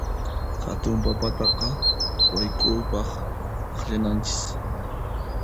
Hatun papataqa wayk'upaq akllananchis.